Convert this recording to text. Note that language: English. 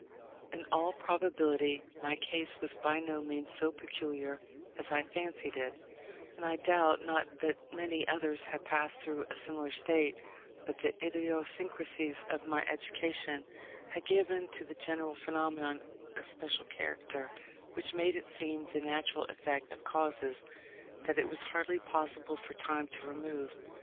In all probability my case was by no means so peculiar as I fancied it, and I doubt not that many others have passed through a similar state; but the idiosyncrasies of my education had given to the general phenomenon a special character, which made it seem the natural effect of causes that it was hardly possible for time to remove.